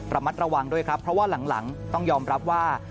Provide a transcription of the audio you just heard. มัดด้วยครับเพราะว่าหลังต้องยอมรับว่า